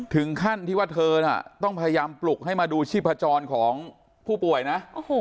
ถึงขั้นที่ว่าเธอน่ะต้องพยายามปลุกให้มาดูชีพจรของผู้ป่วยนะ